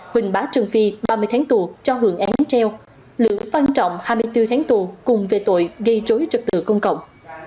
huỳnh bá trương phi ba mươi tháng tù cho hưởng án treo lữ văn trọng hai mươi bốn tháng tù cùng về tội gây rối trật tự công cộng